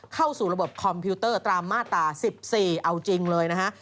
เข้าสู่ระบบคอมพิวเตอร์ตามมาตรา๑๔เอาจริงเลยนะฮะ